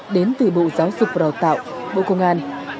đến từ bộ giáo dục và đào tạo bộ công an